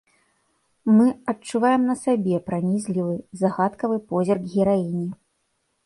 Мы адчуваем на сабе пранізлівы, загадкавы позірк гераіні.